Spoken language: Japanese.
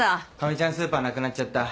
ちゃんスーパーなくなっちゃった。